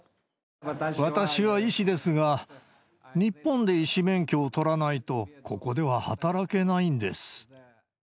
私は医師ですが、日本で医師免許を取らないと、ここでは働けないんです。